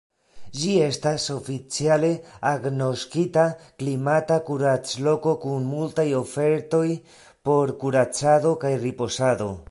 Ĝi estas oficiale agnoskita klimata kuracloko kun multaj ofertoj por kuracado kaj ripozado.